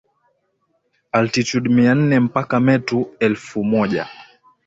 altitude mia nne mpaka meta elfu moja